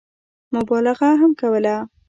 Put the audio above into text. مبالغه هم کوله.